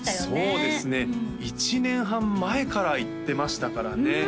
そうですね１年半前から言ってましたからね